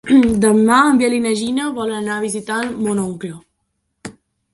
Demà en Biel i na Gina volen anar a visitar mon oncle.